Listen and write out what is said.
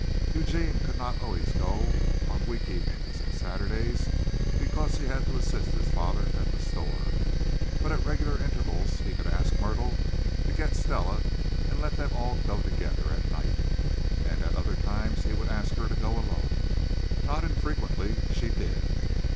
Eugene could not always go on week evenings and Saturdays because he had to assist his father at the store. But at regular intervals he could ask Myrtle to get Stella and let them all go together at night. And at other times he would ask her to go alone. Not infrequently she did.